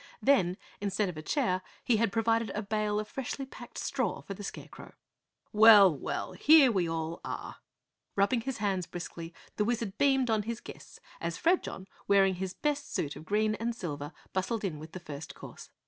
Then, instead of a chair, he had provided a bale of freshly packed straw for the Scarecrow. "Well, well, here we all are!" Rubbing his hands briskly the Wizard beamed on his guests as Fredjon, wearing his best suit of green and silver, bustled in with the first course.